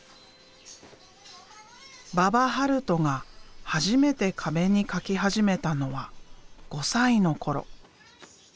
馬場悠斗が初めて壁に描き始めたのは５歳の頃。